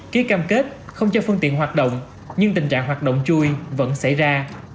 ký cam kết không cho phương tiện hoạt động nhưng tình trạng hoạt động chui vẫn xảy ra